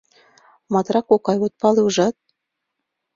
— Матра кокай, от пале, ужат?